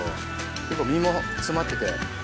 結構実も詰まってて。